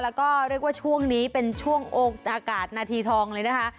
แล้วก็เรียกว่าช่วงนี้เป็นช่วงอากาศนาทีทองเลยนะคะ